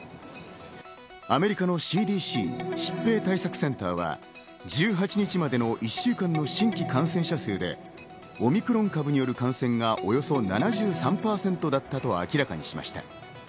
アメリカのＣＤＣ＝疾病対策センターは１８日までの一週間の新規感染者数でオミクロン株による感染がおよそ７３％だったと明らかにしました。